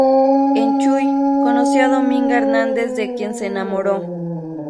En Chuy conoció a Dominga Hernández de quien se enamoró.